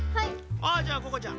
あっじゃあここちゃん。